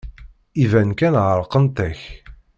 Iban kan ɛerqent-ak.